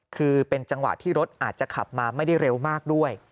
คือเป็นจังหวะที่รถอาจจะขับมาไม่ได้เร็วมากด้วย